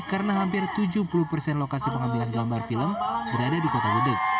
karena hampir tujuh puluh persen lokasi pengambilan gambar film berada di kota gudeg